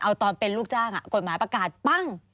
เอาตอนเป็นลูกจ้างกฎหมายประกาศปั้ง